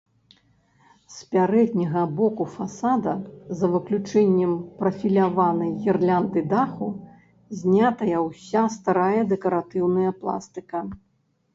З пярэдняга боку фасада, за выключэннем прафіляванай гірлянды даху, знятая ўся старая дэкаратыўная пластыка.